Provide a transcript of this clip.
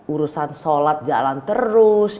urusan sholat jalan terus